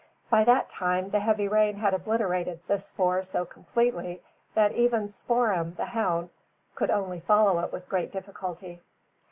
By that time, the heavy rain had obliterated the spoor so completely that even Spoor'em, the hound, could only follow it with great difficulty.